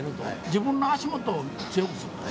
自分の足元を強くする。